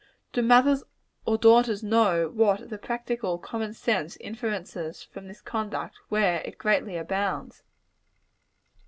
do mothers or daughters know what are the practical common sense inferences from this conduct, where it greatly abounds.